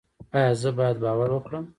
ایا زه باید باور وکړم؟